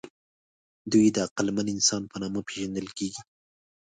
دوی د عقلمن انسان په نامه پېژندل کېږي.